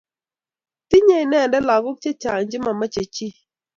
Tinye inete lagok che chang' che ma che chich